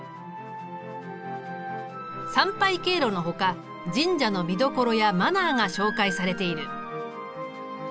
参拝経路のほか神社の見どころやマナーが紹介されている。